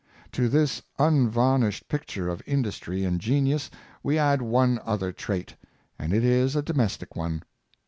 To this unvarnished picture of in dustry and genius we add one other trait, and it is a domestic one.